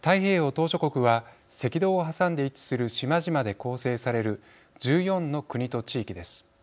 島しょ国は赤道を挟んで位置する島々で構成される１４の国と地域です。